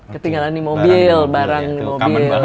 ketinggalan di mobil barang di mobil